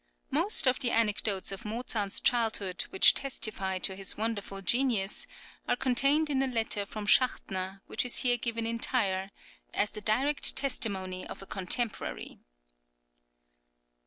Most of the anecdotes of Mozart's childhood which testify to his wonderful genius, are contained in a letter from {SCHACHTNER.} (21) Schachtner, which is here given entire, as the direct testimony of a contemporary.